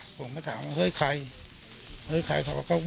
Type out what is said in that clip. ส่วนนางสุธินนะครับบอกว่าไม่เคยคาดคิดมาก่อนว่าบ้านเนี่ยจะมาถูกภารกิจนะครับ